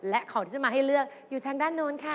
และของที่จะมาให้เลือกอยู่ทางด้านนู้นค่ะ